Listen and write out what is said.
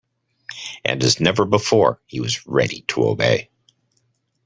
And as never before, he was ready to obey.